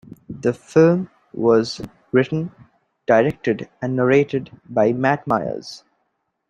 The film was written, directed, and narrated by Matt Myers.